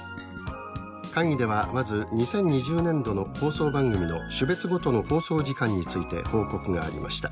会議ではまず２０２０年度の放送番組の種別ごとの放送時間について報告がありました。